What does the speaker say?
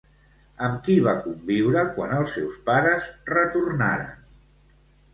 Amb qui va conviure quan els seus pares retornaren?